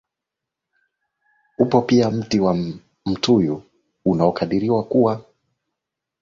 Upo pia mti wa mtuyu unaokadiriwa kuwa